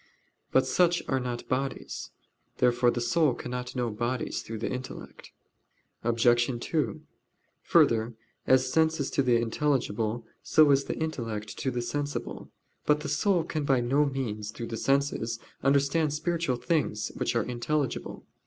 But such are not bodies. Therefore the soul cannot know bodies through the intellect. Obj. 2: Further, as sense is to the intelligible, so is the intellect to the sensible. But the soul can by no means, through the senses, understand spiritual things, which are intelligible.